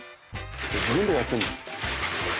自分でやってるんだ。